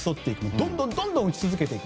どんどん打ち続けていく。